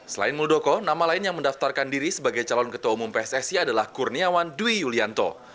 selain muldoko nama lain yang mendaftarkan diri sebagai calon ketua umum pssi adalah kurniawan dwi yulianto